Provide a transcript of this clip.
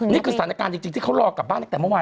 นี่คือสถานการณ์จริงที่เขารอกลับบ้านตั้งแต่เมื่อวาน